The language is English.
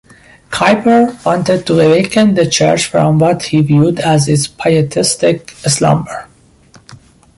Kuyper wanted to awaken the church from what he viewed as its pietistic slumber.